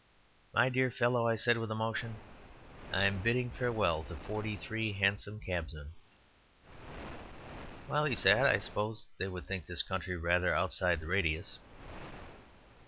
"My dear fellow," I said, with emotion, "I am bidding farewell to forty three hansom cabmen." "Well," he said, "I suppose they would think this county rather outside the radius."